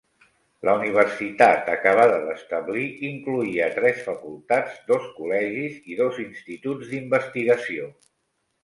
La universitat acabada d'establir incloïa tres facultats, dos col·legis i dos instituts d'investigació.